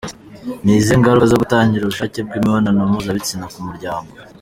Ni izihe ngaruka zo kutagira ubushake bw’imibonano mpuzabitsina ku muryango?.